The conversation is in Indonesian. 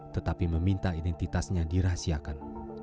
tetapi meminta identitasnya dirahsiakan